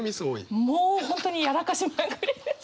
もう本当にやらかしまくりです。